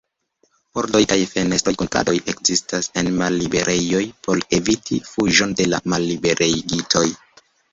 Pordoj kaj fenestroj kun kradoj ekzistas en malliberejoj por eviti fuĝon de la malliberigitoj.